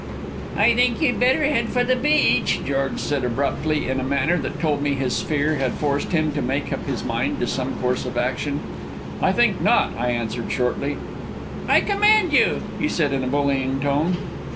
"I think you'd better head for the beach," George said abruptly, in a manner that told me his fear had forced him to make up his mind to some course of action. "I think not," I answered shortly. "I command you," he said in a bullying tone.